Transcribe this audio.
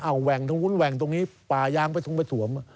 อ้าวแหว่งทั้งคุณแหว่งตรงนี้ป่าย้างไปทุกคนไปสวม